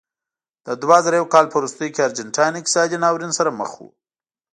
د دوه زره یو کال په وروستیو کې ارجنټاین اقتصادي ناورین سره مخ و.